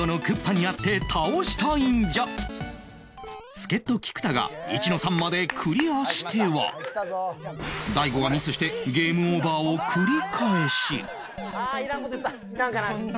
助っ人菊田が １−３ までクリアしては大悟がミスしてゲームオーバーを繰り返しああいらん事言った！